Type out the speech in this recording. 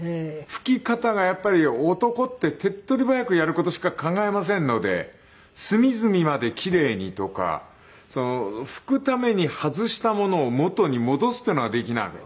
拭き方がやっぱり男って手っ取り早くやる事しか考えませんので隅々まで奇麗にとか拭くために外したものを元に戻すっていうのができない。